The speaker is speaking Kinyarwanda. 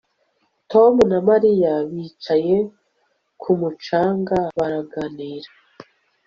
Tom na Mariya bicaye ku mucanga baraganira